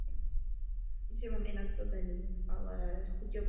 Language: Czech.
Druhé bylo vysvětlení vědy podporující závěry memoranda.